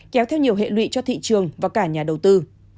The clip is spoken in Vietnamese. kéo theo nhiều hệ lụy cho thị trường và cả nhà đầu tư